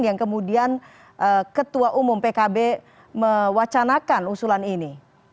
yang kemudian ketua umum pkb mewacanakan usulan ini